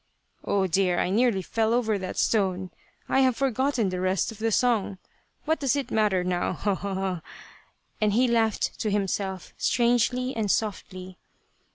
" Oh, dear, I nearly fell over that stone ... I have forgotten the rest of the song ... what does it matter now ... ho ho ho," and he laughed to himself strangely and softly.